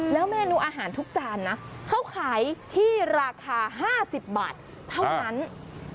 เมนูอาหารทุกจานนะเขาขายที่ราคา๕๐บาทเท่านั้น